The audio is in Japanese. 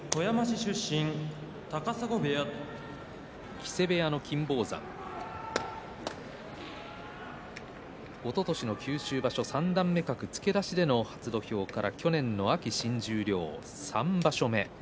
木瀬部屋の金峰山おととしの九州場所三段目格付け出しでの初土俵から去年の秋、新十両、３場所目。